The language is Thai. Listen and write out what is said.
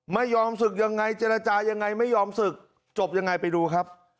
ไม่ยอมศึกยังไงเจรจายังไงไม่ยอมศึกจบยังไงไปดูครับ